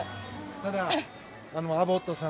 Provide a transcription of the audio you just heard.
ただ、アボットさん